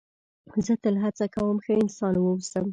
زه تل هڅه کوم ښه انسان و اوسم.